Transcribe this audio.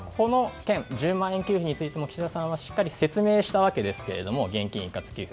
１０万円給付についても岸田さんはしっかり説明したわけですが現金一括給付。